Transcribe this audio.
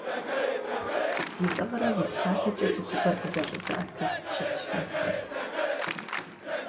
Зи лӏыгъэрэ зи псалъэкӏэ цӏыхубэр къызэщӏэзыӏэтэф пщыт Жэнхъуэт.